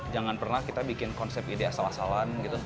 jangan pernah kita bikin konsep ide asal asalan gitu